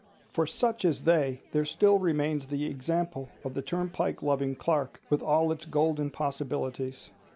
For such as they there still remains the example of the turnpike loving clerk, with all its golden possibilities.